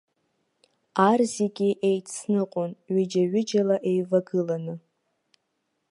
Ар зегьы еицныҟәон, ҩыџьа-ҩыџьала еивагыланы.